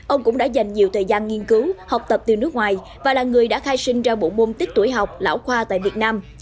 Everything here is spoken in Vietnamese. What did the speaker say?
ông cũng đã dành nhiều thời gian nghiên cứu học tập từ nước ngoài và là người đã khai sinh ra bộ môn tích tuổi học lão khoa tại việt nam